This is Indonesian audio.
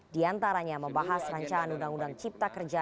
di antaranya membahas rancangan undang undang cipta kerja